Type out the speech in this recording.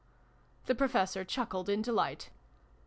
The Professor chuckled in delight.